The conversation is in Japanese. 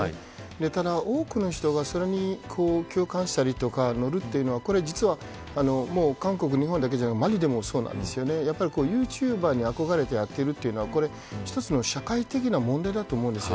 ただ、多くの人がそれに共感したりとかのるというのは実は韓国、日本だけではなくマリでもそうでユーチューバーに憧れてやるというのは一つの社会的な問題だと思います。